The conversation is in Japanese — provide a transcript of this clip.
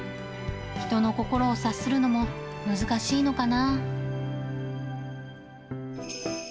人の心を察するのも難しいのかな。